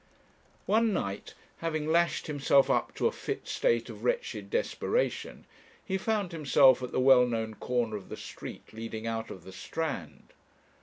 One night, having lashed himself up to a fit state of wretched desperation, he found himself at the well known corner of the street leading out of the Strand.